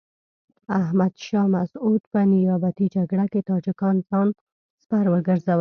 احمد شاه مسعود په نیابتي جګړه کې تاجکان ځان سپر وګرځول.